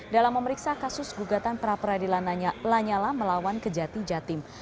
dalam memeriksa kasus gugatan pra peradilan lanyala melawan kejati jatim